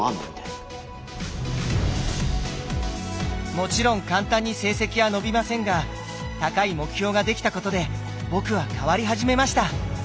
もちろん簡単に成績は伸びませんが高い目標が出来たことで僕は変わり始めました。